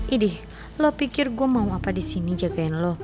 idi lo pikir gue mau apa disini jagain lo